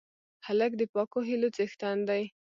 هلک د پاکو هیلو څښتن دی.